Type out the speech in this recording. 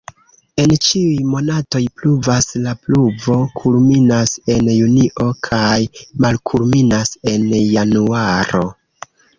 En ĉiuj monatoj pluvas, la pluvo kulminas en junio kaj malkulminas en januaro.